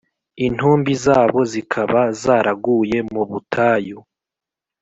Intumbi zabo zikaba zaraguye mu butayu